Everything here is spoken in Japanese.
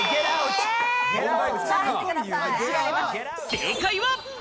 正解は。